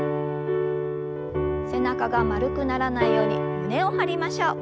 背中が丸くならないように胸を張りましょう。